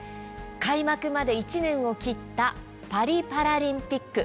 開幕まで１年を切ったパリパラリンピック。